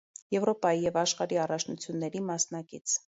Եվրոպայի և աշխարհի առաջնությունների մասնակից։